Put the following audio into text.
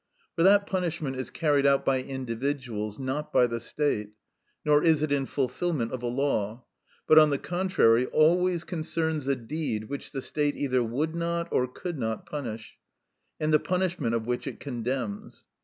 For that punishment is carried out by individuals, not by the state, nor is it in fulfilment of a law, but, on the contrary, always concerns a deed which the state either would not or could not punish, and the punishment of which it condemns.